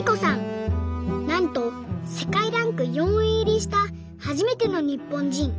なんと世界ランク４位いりしたはじめてのにっぽんじん。